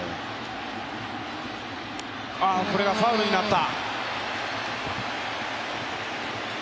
これがファウルになった。